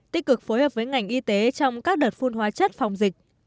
tích cực phối hợp với ngành y tế trong các đợt phun hóa chất phòng dịch